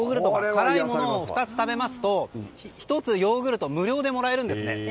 辛いものを２つ食べますと１つ、ヨーグルト無料でもらえるんですね。